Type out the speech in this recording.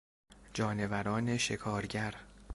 جانوران شکارگر